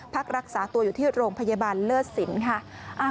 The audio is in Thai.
พักรักษาตัวอยู่ที่โรงพยาบาลเลิศสินค่ะ